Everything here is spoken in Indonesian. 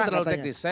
itu terlalu teknis